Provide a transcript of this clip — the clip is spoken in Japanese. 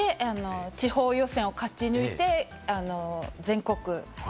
地方予選を勝ち抜いて、全国。